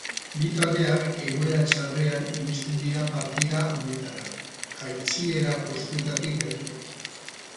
Bi taldeak egoera txarrean iristen dira partida honetara, jaitsiera postuetatik gertu.